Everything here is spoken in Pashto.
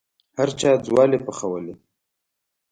هر چا ځوالې پخولې.